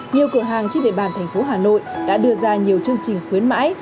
nhiều cửa hàng trên địa bàn thành phố hà nội đã đưa ra nhiều chương trình khuyến mãi